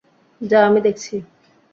যা, আমি দেখছি।